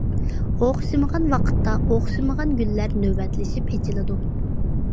ئوخشىمىغان ۋاقىتتا، ئوخشىمىغان گۈللەر نۆۋەتلىشىپ ئېچىلىدۇ.